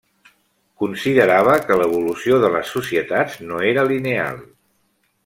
Considerava que l'evolució de les societats no era lineal.